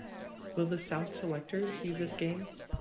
Will the South selectors see this game?